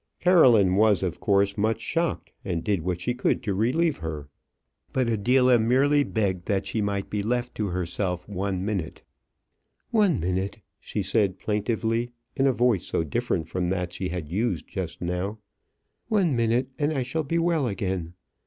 Caroline was of course much shocked, and did what she could to relieve her; but Adela merely begged that she might be left to herself one minute. "One minute," she said, plaintively, in a voice so different from that she had used just now; "one minute and I shall be well again.